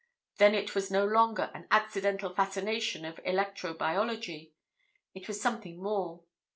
Then it was no longer an accidental fascination of electro biology. It was something more.